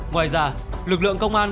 ngoài ra lực lượng công an